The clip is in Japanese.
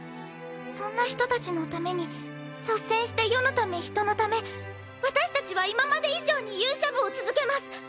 そんな人たちのために率先して世のため人のため私たちは今まで以上に勇者部を続けます。